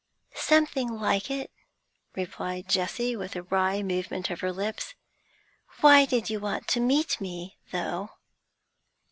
'Something like it,' replied Jessie, with a wry movement of her lips. 'Why did you want to meet me, though?'